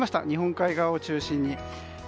日本海側を中心に。